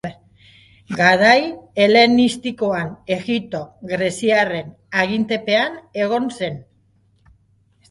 Garai helenistikoan Egipto greziarren agintepean egon zen.